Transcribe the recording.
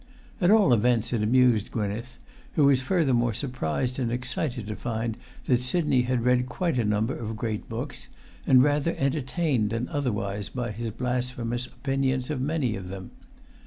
At all events it amused Gwynneth, who was furthermore surprised and excited to find that Sidney had read quite a number of great books, and rather entertained than otherwise by his blasphemous opinions of many of them.